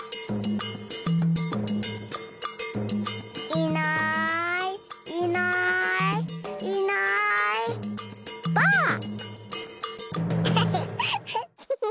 いないいないいないばあっ！